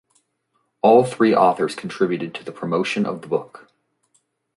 All three authors contributed to the promotion of the book.